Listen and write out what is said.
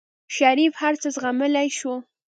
شريف هر څه زغملی شو.